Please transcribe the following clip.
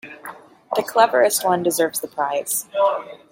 The cleverest one deserves the prize.